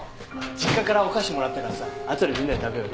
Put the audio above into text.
実家からお菓子もらったからさ後でみんなで食べよう。